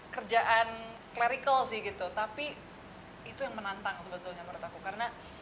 kerjaan clerical sih gitu tapi itu yang menantang sebetulnya menurut aku karena